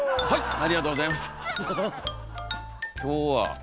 はい！